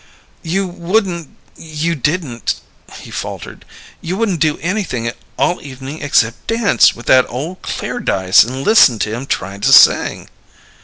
"You wouldn't you didn't " he faltered. "You wouldn't do anything all evening except dance with that old Clairdyce and listen to him trying to sing."